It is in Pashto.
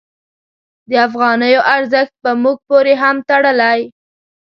د افغانیو ارزښت په موږ پورې هم تړلی.